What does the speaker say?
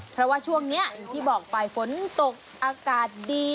เพราะว่าช่วงนี้อย่างที่บอกไปฝนตกอากาศดี